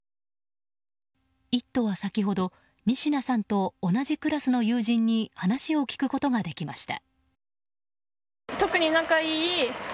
「イット！」は先ほど仁科さんと同じクラスの友人に話を聞くことができました。